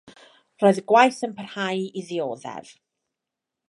Roedd y gwaith yn parhau i ddioddef.